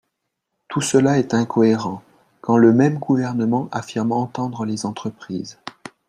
Tout cela est incohérent, quand le même gouvernement affirme entendre les entreprises.